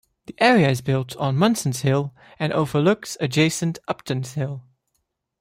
The area is built on Munson's Hill, and overlooks adjacent Upton's Hill.